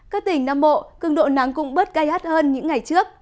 các tỉnh nam bộ cường độ nắng cũng bớt gai hắt hơn những ngày trước